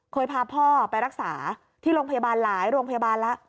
พาพ่อไปรักษาที่โรงพยาบาลหลายโรงพยาบาลแล้ว